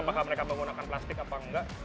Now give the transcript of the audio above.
apakah mereka menggunakan plastik apa enggak